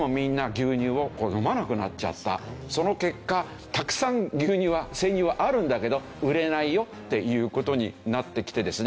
その結果たくさん牛乳は生乳はあるんだけど売れないよっていう事になってきてですね